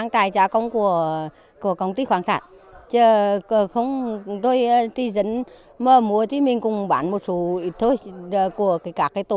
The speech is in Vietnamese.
theo chuỗi giá trị